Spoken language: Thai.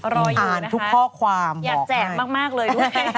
รออยู่นะฮะอ่านทุกข้อความอยากแจกมากเลยด้วย